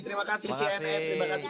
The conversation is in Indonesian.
terima kasih cnn